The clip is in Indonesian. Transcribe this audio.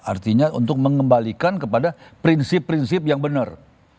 artinya untuk mengembalikan kepada prinsip prinsip yang benar